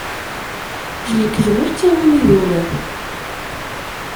D lekdeb ur ttawin idurar.